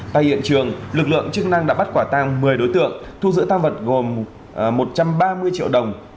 tại hiện trường lực lượng chức năng đã bắt quả tăng một mươi đối tượng thu giữ tăng vật gồm một trăm ba mươi triệu đồng